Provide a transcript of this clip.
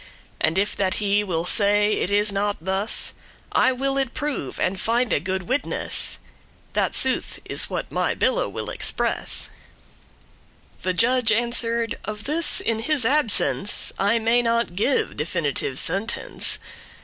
And if that he will say it is not thus, I will it prove, and finde good witness, That sooth is what my bille will express." The judge answer'd, "Of this, in his absence, I may not give definitive sentence.